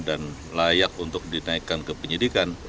dan layak untuk dinaikkan ke penyelidikan